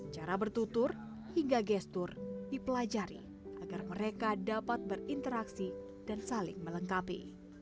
cara bertutur hingga gestur dipelajari agar mereka dapat berinteraksi dan saling melengkapi